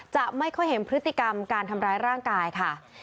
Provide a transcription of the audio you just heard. จะไม่ค่อยเห็นพฤติกรรมการทำร้ายร่างกายค่ะ